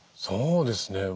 そうですね。